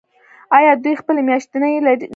آیا دوی خپلې میاشتې نلري؟